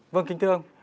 vâng kính thưa ông